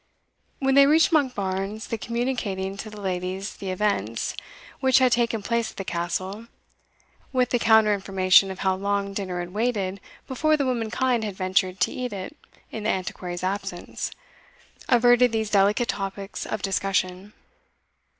When they reached Monkbarns, the communicating to the ladies the events which had taken place at the castle, with the counter information of how long dinner had waited before the womankind had ventured to eat it in the Antiquary's absence, averted these delicate topics of discussion.